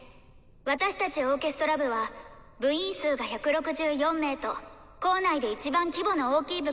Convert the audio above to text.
私たちオーケストラ部は部員数が１６４名と校内でいちばん規模の大きい部活です。